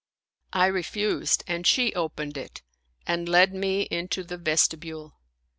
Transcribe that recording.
I refused and she opened it and led me into the vestibule.